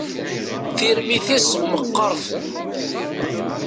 Tirmit-is meqqert.